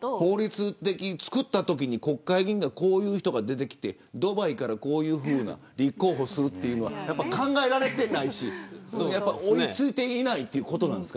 法律的に作ったときに国会議員がこういう人が出てきてドバイから立候補するというのは考えられていないしやっぱり追い付いていないということですか。